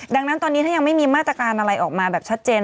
ดังนั้นตอนนี้ถ้ายังไม่มีมาตรการอะไรออกมาแบบชัดเจน